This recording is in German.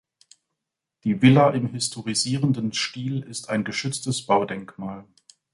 Die Villa im historisierenden Stil ist ein geschütztes Baudenkmal.